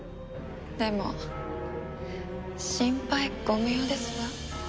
でも心配ご無用ですわ。